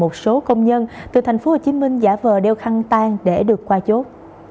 một số công nhân từ tp hcm giả vờ đeo khăn tan để được qua chốt